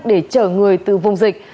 để chở người từ vùng dịch